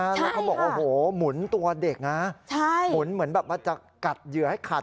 แล้วเขาบอกว่าโอ้โหหมุนตัวเด็กนะหมุนเหมือนแบบว่าจะกัดเหยื่อให้ขัด